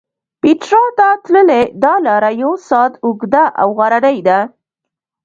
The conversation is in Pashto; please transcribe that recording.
پېټرا ته تللې دا لاره یو ساعت اوږده او غرنۍ ده.